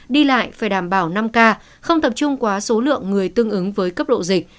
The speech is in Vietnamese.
đi lại phải đảm bảo năm k không tập trung quá số lượng người tương ứng với cấp độ dịch